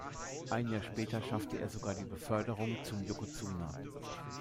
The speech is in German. Ein Jahr später schaffte er sogar die Beförderung zum Yokozuna.